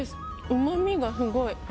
うまみがすごい。